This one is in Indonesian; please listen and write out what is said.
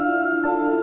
saya akan mengambil alih